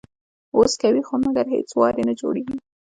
وس کوي خو مګر هیڅ وار یې نه جوړیږي